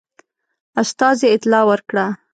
استازي اطلاع ورکړه.